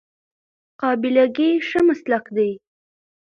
قابله ګي ښه مسلک دی